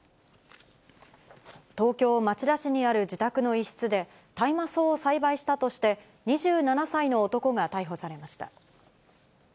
東京・町田市にある自宅の一室で、大麻草を栽培したとして、２７歳の男が逮捕されました。